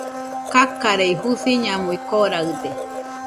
Kakarei, Jusiñamui koraɨde